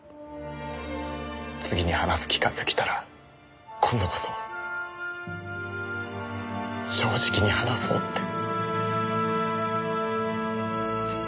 次に話す機会が来たら今度こそ正直に話そうって。